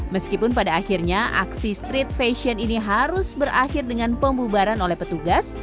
meskipun pada akhirnya aksi street fashion ini harus berakhir dengan pembubaran oleh petugas